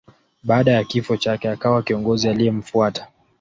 Baada ya kifo chake akawa kiongozi aliyemfuata.